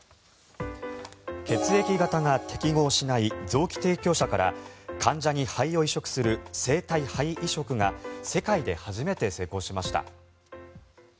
血液型が適合しない臓器提供者から患者に肺を移植する生体肺移植が世界で初めて成功しました。